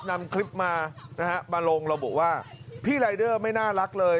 นำคลิปมานะฮะมาลงระบุว่าพี่รายเดอร์ไม่น่ารักเลย